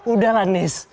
udah lah nis